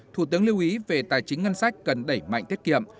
thủ tướng lưu ý về tài chính ngân sách cần đẩy mạnh tiết kiệm